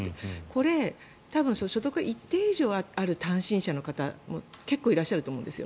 これ、多分所得が一定以上ある単身者の方も結構いらっしゃると思うんです。